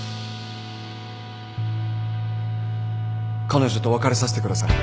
彼女と別れさせてください。